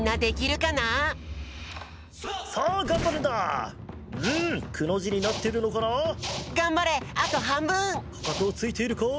かかとをついているか？